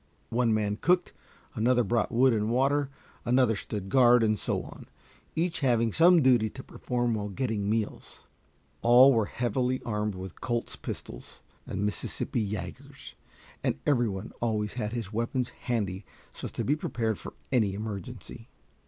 One man cooked, another brought wood and water, another stood guard, and so on, each having some duty to perform while getting meals. All were heavily armed with Colt's pistols and Mississippi yagers, and every one always had his weapons handy so as to be prepared for any emergency.